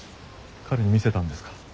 彼に見せたんですか？